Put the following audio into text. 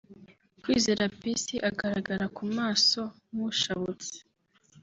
Kwizera Peace agaragara ku maso nk’ushabutse